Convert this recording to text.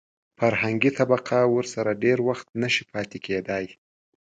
فرهنګي طبقه ورسره ډېر وخت نشي پاتې کېدای.